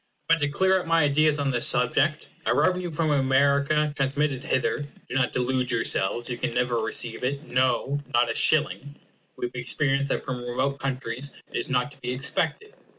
But to clear up my ideas on this subject: a revenue from America transmitted hither do not delude yourselves you never can receive it; no, not a shilling. We have experience that from remote countries it is not to be expected.